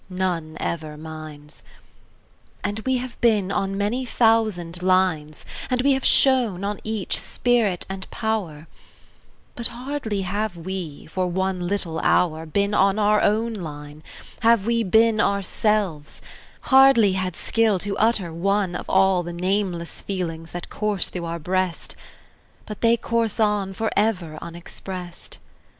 none ever mines. And we have been on many thousand lines, And we have shown, on each, spirit and power; But hardly have we, for one little hour, Been on our own line, have we been ourselves Hardly had skill to utter one of all The nameless feelings that course through our breast, But they course on for ever unexpressed.